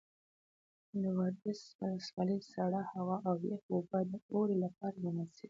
د ورسج ولسوالۍ سړه هوا او یخې اوبه د اوړي لپاره مناسبې دي.